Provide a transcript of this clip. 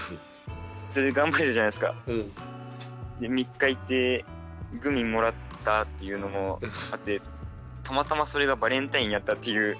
で３日行ってグミもらったっていうのもあってたまたまそれがバレンタインやったっていう。